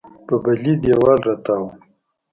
په بلې دېوال راتاو و.